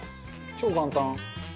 超簡単。